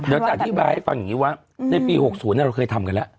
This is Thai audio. เดี๋ยวจะอธิบายให้ฟังอย่างนี้ว่าในปี๖๐เราเคยทำกันแล้ว